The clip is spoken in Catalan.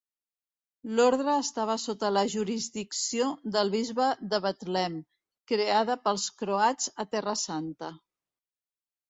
L'orde estava sota la jurisdicció del bisbe de Betlem, creada pels croats a Terra Santa.